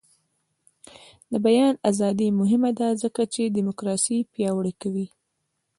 د بیان ازادي مهمه ده ځکه چې دیموکراسي پیاوړې کوي.